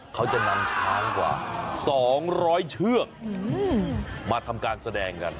เขาจะนำช้างกว่า๒๐๐เชือกมาทำการแสดงกัน